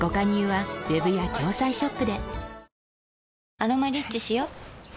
「アロマリッチ」しよ